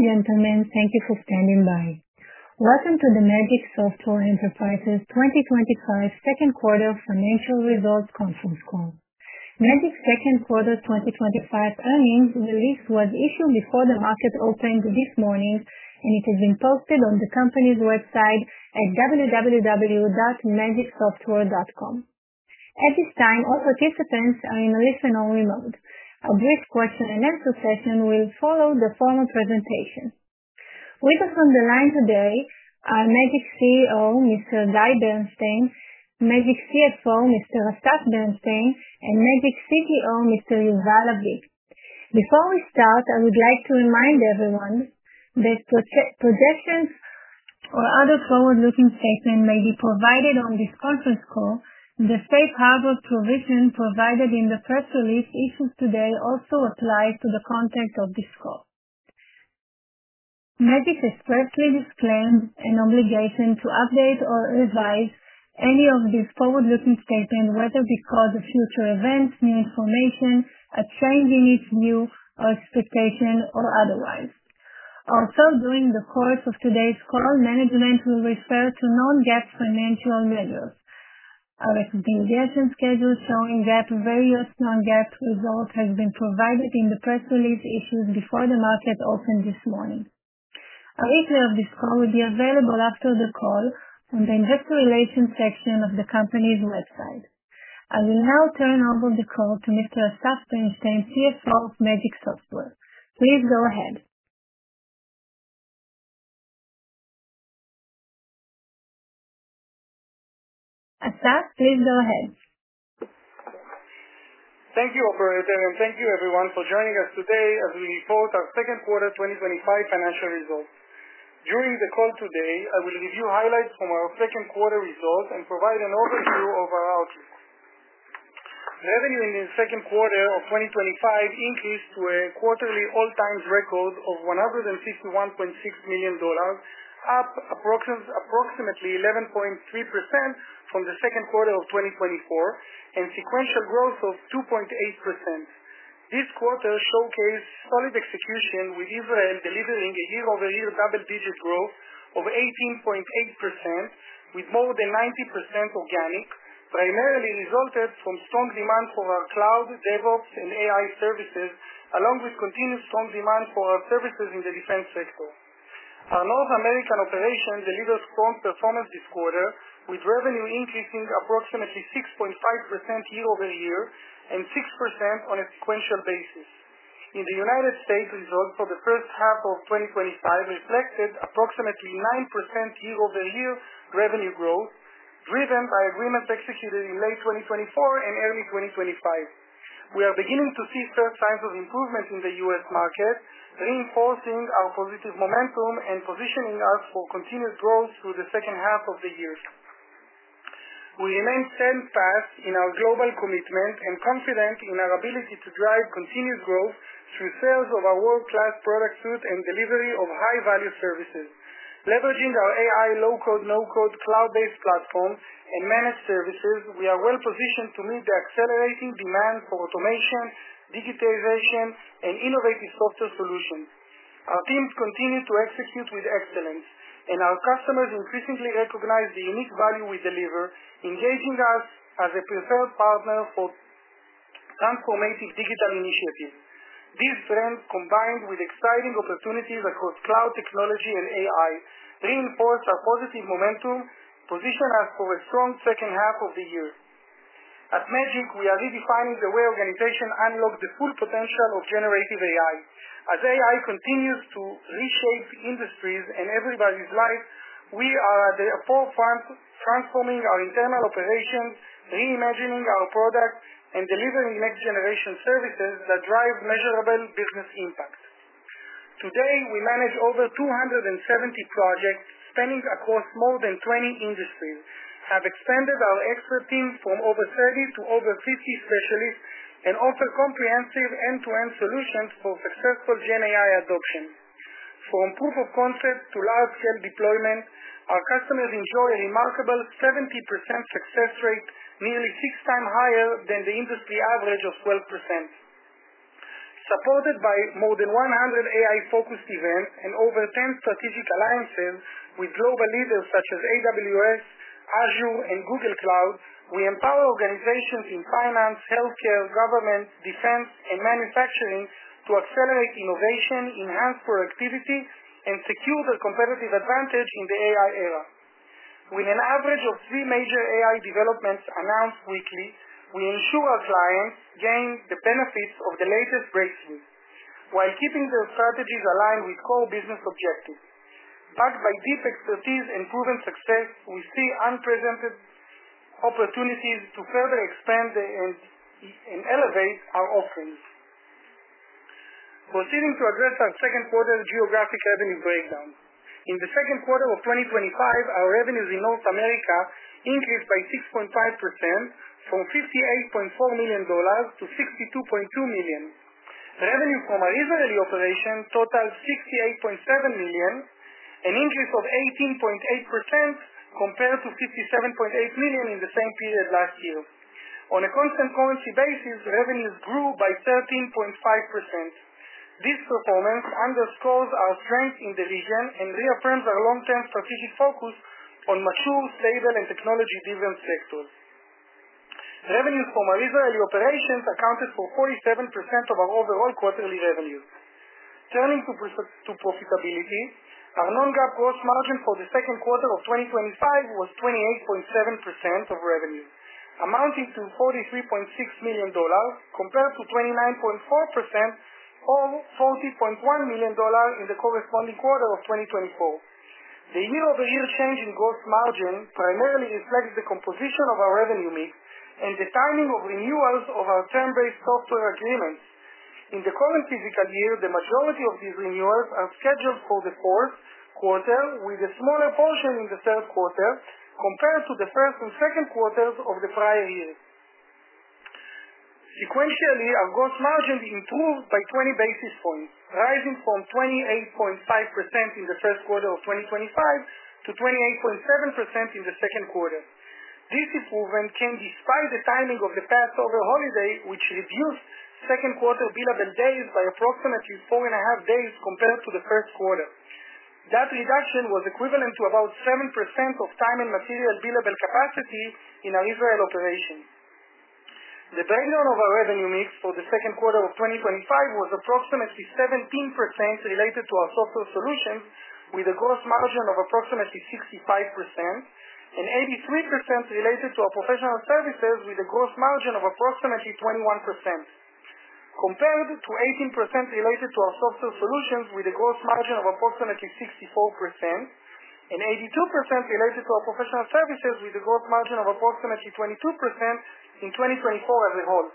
Ladies and gentlemen, thank you for standing by. Welcome to the Magic Software Enterprises 2025 Second Quarter Financial Results Conference Call. Magic's Second Quarter 2025 Earnings Release was issued before the market opening this morning, and it has been posted on the company's website at www.magicsoftware.com. At this time, all participants are in listen-only mode. A brief question-and-answer session will follow the formal presentation. With us on the line today are Magic's CEO, Mr. Guy Bernstein, Magic's CFO, Mr. Asaf Berenstin, and Magic's CTO, Mr. Yuval Lavi. Before we start, I would like to remind everyone that projections or other forward-looking statements may be provided on this conference call, and the safe harbor provision provided in the press release issued today also applies to the content of this call. Magic has expressly disclaimed an obligation to update or revise any of these forward-looking statements, whether because of future events, new information, a trend in its view, or expectation, or otherwise. Also, during the course of today's call, management will refer to non-GAAP financial measures. Our expedition schedule showing GAAP and various non-GAAP results has been provided in the press release issued before the market opened this morning. A replay of this call will be available after the call on the investor relations section of the company's website. I will now turn over the call to Mr. Asaf Berenstin, CFO of Magic Software. Please go ahead. Asaf, please go ahead. Thank you, operator, and thank you, everyone, for joining us today as we report our second quarter 2025 financial results. During the call today, I will review highlights from our second quarter results and provide an overview of our outlook. Revenue in the second quarter of 2025 increased to a quarterly all-time record of $161.6 million, up approximately 11.3% from the second quarter of 2024, and sequential growth of 2.8%. This quarter showcased solid execution, with Israel delivering a year-over-year double-digit growth of 18.8%, with more than 90% organic, primarily resulting from strong demand for our cloud services, DevOps services, and AI solutions, along with continued strong demand for our services in the defense sector. Our North American operations delivered strong performance this quarter, with revenue increasing approximately 6.5% year-over-year and 6% on a sequential basis. In the U.S., results for the first-half of 2025 reflected approximately 9% year-over-year revenue growth, driven by agreements executed in late 2024 and early 2025. We are beginning to see first signs of improvement in the U.S. market, reinforcing our positive momentum and positioning us for continued growth through the second half of the year. We remain steadfast in our global commitment and confident in our ability to drive continued growth through sales of our world-class product suite and delivery of high-value services. Leveraging our AI, low-code, no-code cloud-based platform and managed services, we are well-positioned to meet the accelerating demand for automation, digitization, and innovative software solutions. Our teams continue to execute with excellence, and our customers increasingly recognize the unique value we deliver, engaging us as a preferred partner for transformative digital initiatives. This trend, combined with exciting opportunities across cloud technology and AI, reinforces our positive momentum, positioning us for a strong second half of the year. At Magic Software Enterprises, we are redefining the way organizations unlock the full potential of generative AI. As AI continues to reshape industries and everybody's lives, we are therefore transforming our internal operations, reimagining our product, and delivering next-generation services that drive measurable business impact. Today, we manage over 270 projects spanning across more than 20 industries, have expanded our expert team from over 30 to over 50 specialists, and offer comprehensive end-to-end solutions for successful GenAI adoption. From proof of concept to large-scale deployment, our customers enjoy a remarkable 70% success rate, nearly 6x higher than the industry average of 12%. Supported by more than 100 AI-focused events and over 10 strategic alliances with global leaders such as AWS, Azure, and Google Cloud, we empower organizations in finance, healthcare, government, defense, and manufacturing to accelerate innovation, enhance productivity, and secure their competitive advantage in the AI era. With an average of three major AI developments announced weekly, we ensure our clients gain the benefits of the latest breakthroughs while keeping their strategies aligned with core business objectives. Backed by deep expertise and proven success, we see unprecedented opportunities to further expand and elevate our offerings. Proceeding to address our second quarter's geographic revenue breakdown. In the second quarter of 2025, our revenues in North America increased by 6.5%, from $58.4 million to $62.2 million. Revenue from our Israel operations totaled $68.7 million, an increase of 18.8% compared to $57.8 million in the same period last year. On a constant quarterly basis, revenues grew by 13.5%. This performance underscores our strength in the region and reaffirms our long-term strategic focus on macro, stable, and technology-driven sectors. Revenues from our Israel operations accounted for 47% of our overall quarterly revenues. Turning to profitability, our non-GAAP gross margin for the second quarter of 2025 was 28.7% of revenue, amounting to $43.6 million compared to 29.4% or $40.1 million in the corresponding quarter of 2024. The year-over-year change in gross margin primarily reflects the composition of our revenue mix and the timing of renewals of our term-based software agreements. In the current fiscal year, the majority of these renewals are scheduled for the fourth quarter, with a smaller portion in the third quarter compared to the first and second quarters of the prior year. Sequentially, our gross margin improved by 20 basis points, rising from 28.5% in the first quarter of 2025 to 28.7% in the second quarter. This improvement came despite the timing of the Passover holiday, which reduced second quarter billable days by approximately four and a half days compared to the first quarter. That reduction was equivalent to about 7% of time and material billable capacity in our Israel operations. The breakdown of our revenue mix for the second quarter of 2025 was approximately 17% related to our software solutions, with a gross margin of approximately 65%, and 83% related to our professional services, with a gross margin of approximately 21%. Compared to 18% related to our software solutions, with a gross margin of approximately 64%, and 82% related to our professional services, with a gross margin of approximately 22% in 2024 as a whole.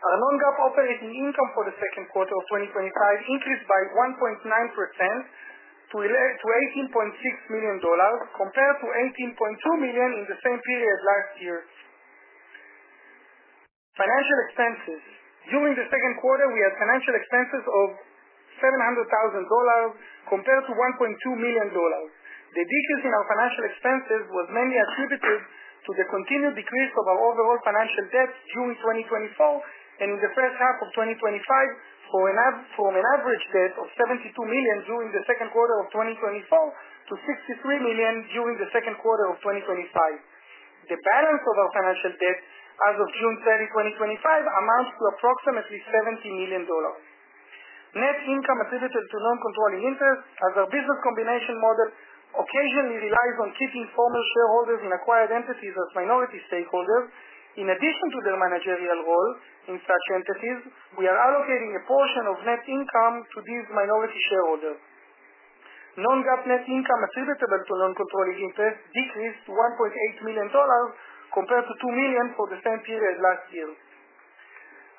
Our non-GAAP operating income for the second quarter of 2025 increased by 1.9% to $18.6 million compared to $18.2 million in the same period last year. During the second quarter, we had financial expenses of $700,000 compared to $1.2 million. The decrease in our financial expenses was mainly attributed to the continued decrease of our overall financial debts during 2024 and in the first-half of 2025, for an average debt of $72 million during the second quarter of 2024 to $63 million during the second quarter of 2025. The balance of our financial debts as of June 30, 2025, amounts to approximately $70 million. Net income attributed to non-controlling interests, as our business combination model occasionally relies on keeping former shareholders in acquired entities as minority stakeholders, in addition to their managerial role in such entities, we are allocating a portion of net income to these minority shareholders. Non-GAAP net income attributable to non-controlling interests decreased to $1.8 million compared to $2 million for the same period last year.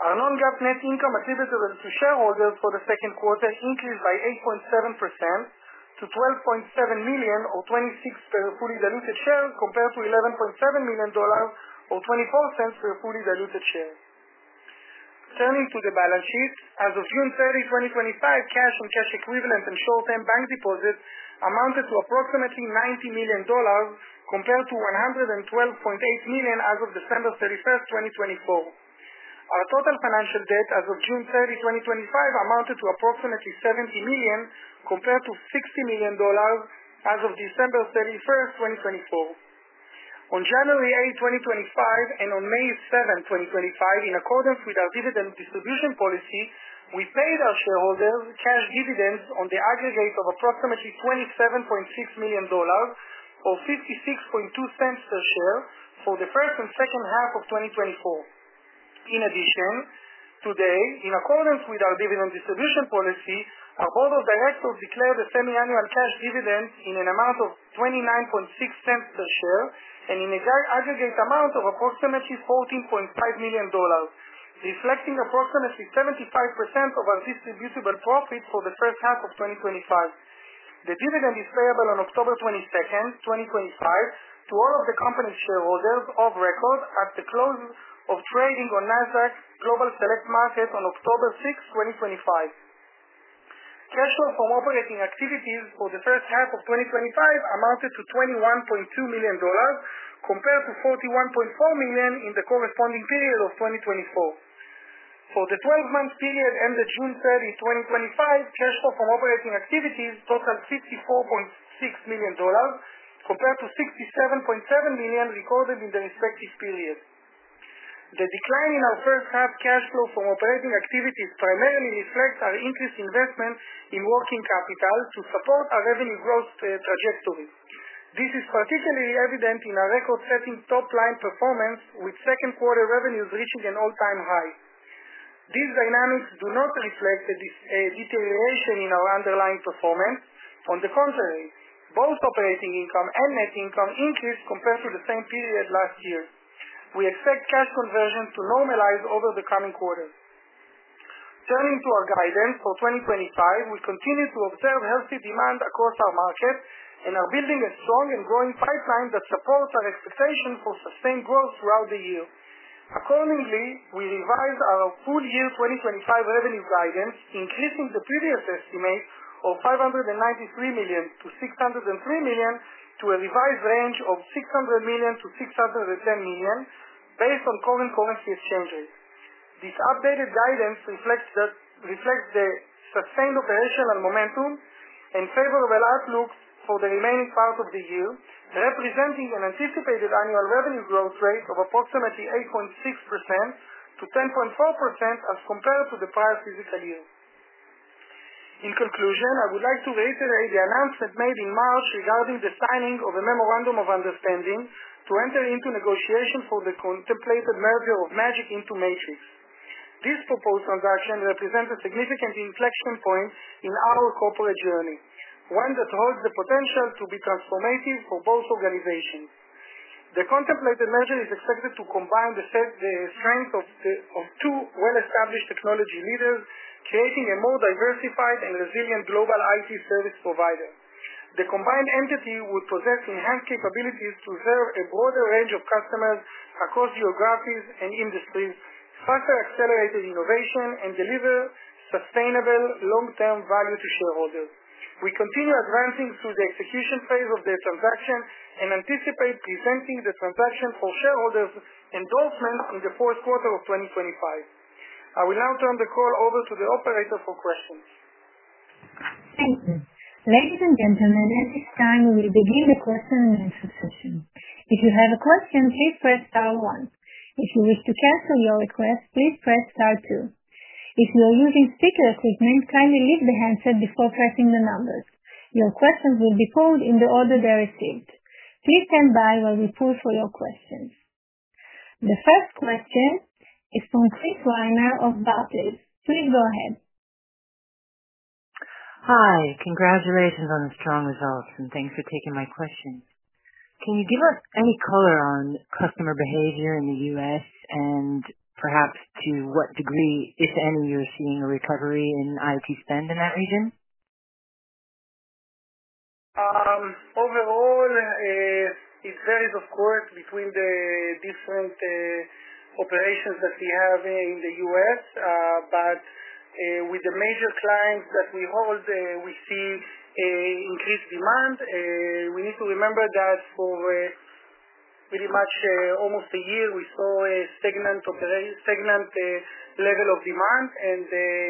Our non-GAAP net income attributable to shareholders for the second quarter increased by 8.7% to $12.7 million or $0.26 per fully diluted share, compared to $11.7 million or $0.24 per fully diluted share. Turning to the balance sheet, as of June 30, 2025, cash on cash equivalents and short-term bank deposits amounted to approximately $90 million compared to $112.8 million as of December 31st, 2024. Our total financial debt as of June 30, 2025, amounted to approximately $70 million compared to $60 million as of December 31st, 2024. On January 8, 2025, and on May 7, 2025, in accordance with our dividend distribution policy, we paid our shareholders cash dividends in the aggregate of approximately $27.6 million or $0.562 per share for the first and second half of 2024. In addition, today, in accordance with our dividend distribution policy, our holders and hedge funds declared the semiannual cash dividends in an amount of $0.296 per share and in an aggregate amount of approximately $14.5 million, reflecting approximately 75% of our distributable profit for the first-half of 2025. The dividend is payable on October 22nd, 2025, to all of the company's shareholders of record at the close of trading on NASDAQ Global Select Market on October 6, 2025. Cash flow from operating activities for the first-half of 2025 amounted to $21.2 million, compared to $41.4 million in the corresponding period of 2024. For the 12-month period ended June 30, 2025, cash flow from operating activities totaled $64.6 million, compared to $67.7 million recorded in the respective period. The decline in our first-half cash flow from operating activities primarily reflects our increased investment in working capital to support our revenue growth trajectories. This is particularly evident in our record-setting top-line performance, with second-quarter revenues reaching an all-time high. These dynamics do not reflect a deterioration in our underlying performance. On the contrary, both operating income and net income increased compared to the same period last year. We expect cash conversions to normalize over the coming quarter. Turning to our guidance for 2025, we continue to observe healthy demands across our markets and are building a strong and growing pipeline that supports our expectations for sustained growth throughout the year. Accordingly, we revised our full-year 2025 revenue guidance, increasing the previous estimate of $593 million-$603 million to a revised range of $600 million-$610 million, based on current currency exchanges. This updated guidance reflects the sustained operational momentum and favorable outlook for the remaining part of the year, representing an anticipated annual revenue growth rate of approximately 8.6%-10.4% as compared to the prior fiscal year. In conclusion, I would like to reiterate the announcement made in March regarding the signing of a memorandum of understanding to enter into negotiations for the contemplated merger of Magic Software Enterprises into Matrix. This proposed transaction represents a significant inflection point in our corporate journey, one that holds the potential to be transformative for both organizations. The contemplated merger is expected to combine the strengths of two well-established technology leaders, creating a more diversified and resilient global IT service provider. The combined entity would possess enhanced capabilities to serve a broader range of customers across geographies and industries, sponsor accelerated innovation, and deliver sustainable long-term value to shareholders. We continue advancing through the execution phase of the transaction and anticipate presenting the transaction for shareholders' endorsement in the fourth quarter of 2025. I will now turn the call over to the operator for questions. Thank you. Ladies and gentlemen, at this time, we will begin the question-and-answer session. If you have a question, please press star one. If you wish to cancel your request, please press star two. If you are using speaker equipment, kindly leave the handset before pressing the numbers. Your questions will be called in the order they're received. Please stand by while we pull for your questions. The first question is from Chris Reimer of Barcalys. Please go ahead. Hi. Congratulations on the strong results, and thanks for taking my question. Can you give us any color on customer behavior in the U.S. and perhaps to what degree, if any, you're seeing a recovery in IT spend in that region? Overall, it varies, of course, between the different operations that we have in the U.S., but with the major clients that we hold, we see increased demand. We need to remember that for, pretty much, almost a year, we saw a stagnant level of demand.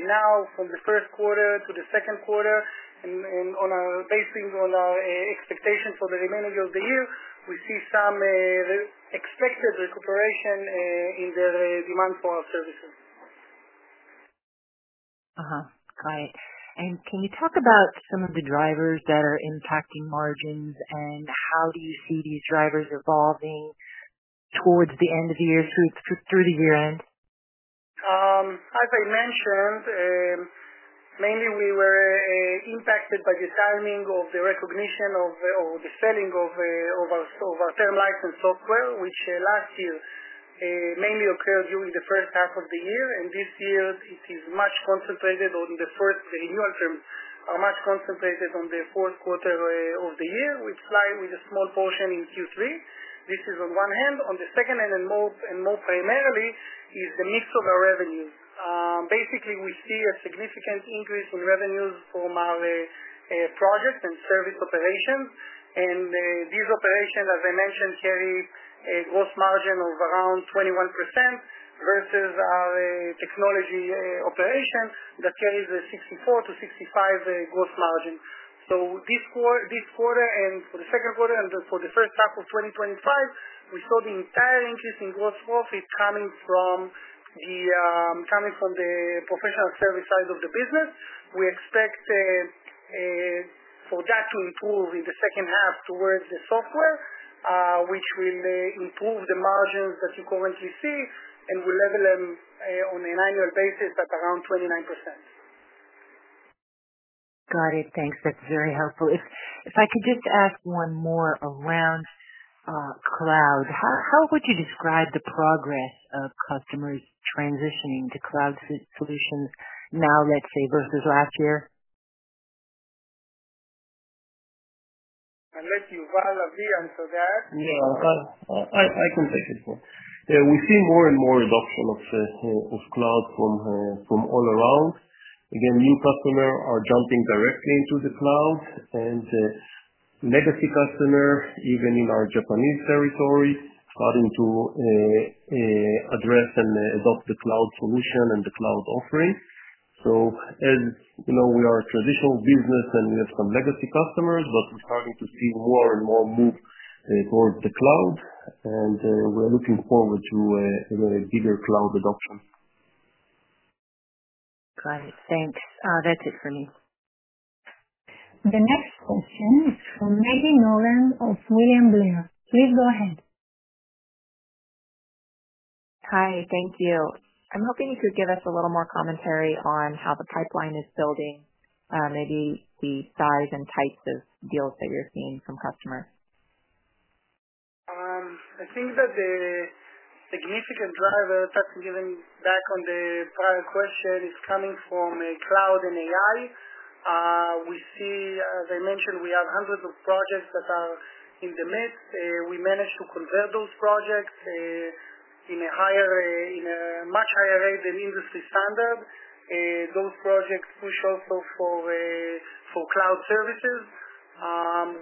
Now, from the first quarter to the second quarter, and on our basis on our expectations for the remainder of the year, we see some expected recuperation in the demand for our services. Got it. Can you talk about some of the drivers that are impacting margins? How do you see these drivers evolving towards the end of the year, through the year-end? As I mentioned, mainly, we were impacted by the timing of the recognition of, or the spending of, our term license software, which last year mainly occurred during the first half of the year. This year, it is much concentrated on the first renewal terms, which are much concentrated on the fourth quarter of the year, with a small portion in Q3. This is on one hand. On the second hand, and more primarily, is the mix of our revenues. Basically, we see a significant increase in revenues from our projects and service operations. These operations, as I mentioned, carry a gross margin of around 21% versus our technology operations that carry the 64%-65% gross margin. This quarter, for the second quarter and then for the first-half of 2025, we saw the entire increase in gross profit coming from the professional service side of the business. We expect for that to improve in the second half towards the software, which will improve the margins that you currently see and will level them on an annual basis at around 29%. Got it. Thanks. That's very helpful. If I could just ask one more around cloud, how would you describe the progress of customers transitioning to cloud services now, let's say, versus last year? Unless Yuval Lavi answers that? Yuval. I can take it, of course. We see more and more adoption of cloud from all around. New customers are jumping directly into the cloud, and the legacy customers, even in our Japanese territories, are starting to address and adopt the cloud solution and the cloud offering. As you know, we are a traditional business, and we have some legacy customers, but we're starting to see more and more move towards the cloud. We're looking forward to a bigger cloud adoption. Got it. Thanks. That's it for me. The next question is from Maggie Nolan of William Blai. Please go ahead. Hi. Thank you. I'm hoping you could give us a little more commentary on how the pipeline is building, maybe the size and types of deals that you're seeing from customers. I think that the significant driver, just giving back on the prior question, is coming from cloud and AI. We see, as I mentioned, we have hundreds of projects that are in the mix. We managed to convert those projects, in a higher, in a much higher rate than industry standard. Those projects which also serve for cloud services.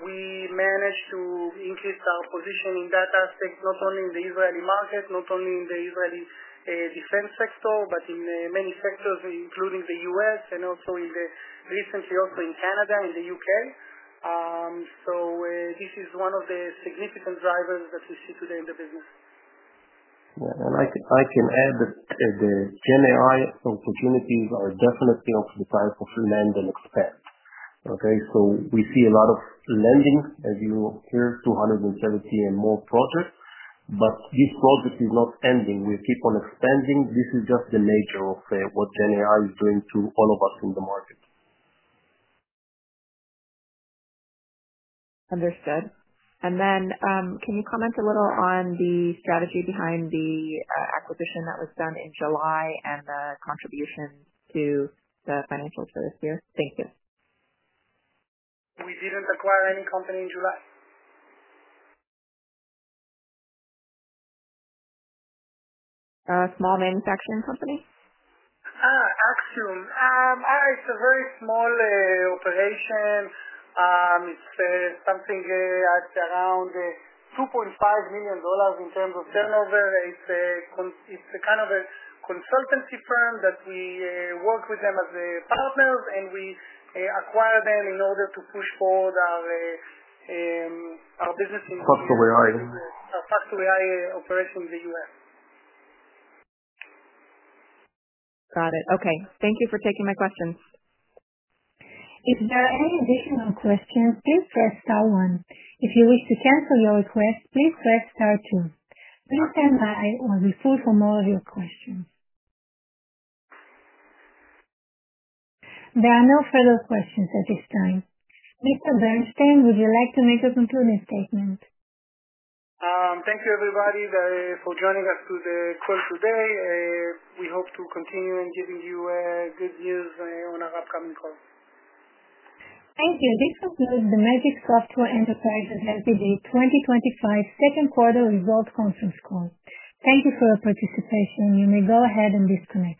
We managed to increase our position in that aspect, not only in the Israeli market, not only in the Israeli defense sector, but in many sectors, including the U.S. and also recently also in Canada and the U.K. This is one of the significant drivers that we see today in the business. The GenAI opportunities are definitely on the side of land and expand. We see a lot of landing, as you hear, 270 and more projects. This project is not ending. We keep on expanding. This is just the nature of what GenAI is doing to all of us in the market. Understood. Can you comment a little on the strategy behind the acquisition that was done in July and the contribution to the financials for this year? Thank you. We didn't acquire any company in July. A small manufacturing company? Actually, it's a very small operation. It's something at around $2.5 million in terms of turnover. It's a kind of a consultancy firm that we work with them as partners, and we acquire them in order to push forward our business. Custom AI. Custom AI operation in the U.S. Got it. Okay, thank you for taking my questions. If you have any additional questions, please press star one. If you wish to cancel your request, please press star two. Please stand by while we pull for more of your questions. There are no further questions at this time. Mr. Berenstin, would you like to make a concluding statement? Thank you, everybody, for joining us for the call today. We hope to continue in giving you good news on our upcoming call. Thank you. This concludes the Magic Software Enterprises 2025 Second Quarter Results Conference Call. Thank you for your participation. You may go ahead and disconnect.